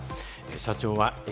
社長は駅